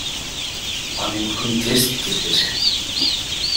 А мүмкүн терс пикирдир?